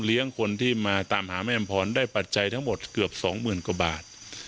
คนที่มาตามหาแม่อำพรได้ปัจจัยทั้งหมดเกือบสองหมื่นกว่าบาท